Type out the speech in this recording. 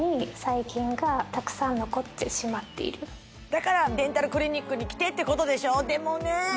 そのだからデンタルクリニックに来てってことでしょでもね